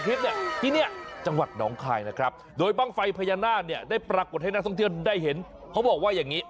เค้าบอกว่าครั้งนี้ออกมา